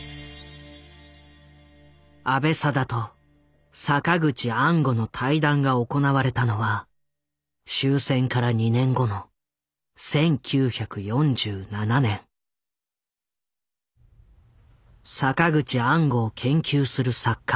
阿部定と坂口安吾の対談が行われたのは終戦から２年後の坂口安吾を研究する作家